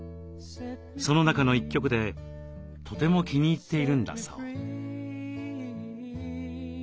その中の一曲でとても気に入っているんだそう。